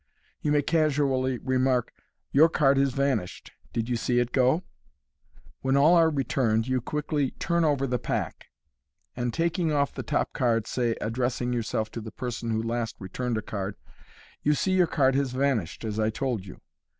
You may casually remark, " Your card has vanished j did you see it go ?" When all are returned, you quickly " turn over " the pack (see page 37), and, taking off the top card, say, addressing yourself to the person who last returned a card, " You see your card has vanished, as I told you.